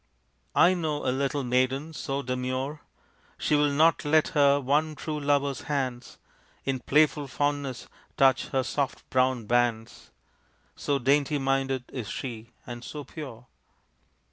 (I know a little maiden so demure She will not let her one true lover's hands In playful fondness touch her soft brown bands, So dainty minded is she, and so pure.)